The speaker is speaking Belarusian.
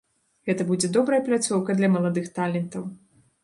Гэта будзе добрая пляцоўка для маладых талентаў.